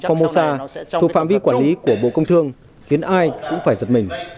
phong mô sa thuộc phạm vi quản lý của bộ công thương khiến ai cũng phải giật mình